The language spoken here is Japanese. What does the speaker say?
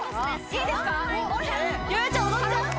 いいですか？